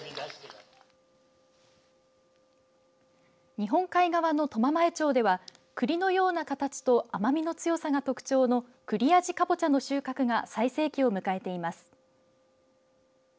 日本海側の苫前町ではくりのような形と甘みの強さが特徴のくりあじカボチャの収穫が最盛期を迎えています。